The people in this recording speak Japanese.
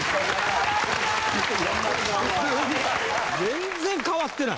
全然変わってない。